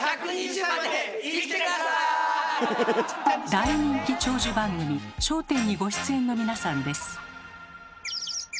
大人気長寿番組「笑点」にご出演の皆さんです。